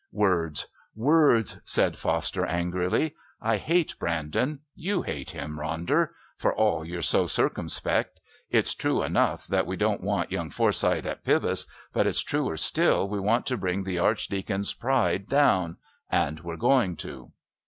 "Words! Words," said Foster angrily. "I hate Brandon. You hate him, Ronder, for all you're so circumspect. It's true enough that we don't want young Forsyth at Pybus, but it's truer still that we want to bring the Archdeacon's pride down. And we're going to."